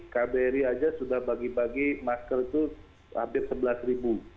kbri aja sudah bagi bagi masker itu hampir rp sebelas